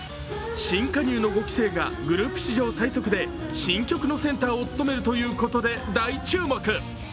新加入の５期生がグループ史上最速で新曲のセンターを務めるということで大注目。